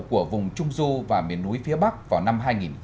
của vùng trung du và miền núi phía bắc vào năm hai nghìn hai mươi